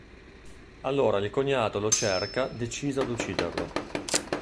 Allora il cognato lo cerca deciso ad ucciderlo.